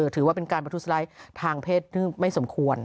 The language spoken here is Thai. ถือว่าเป็นการประทุดสลายทางเพศไม่สมควร